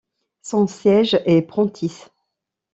Son siège est Prentiss.